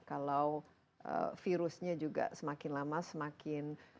kalau virusnya juga semakin lama semakin